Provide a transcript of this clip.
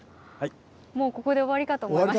もうここで終わりかと思いました。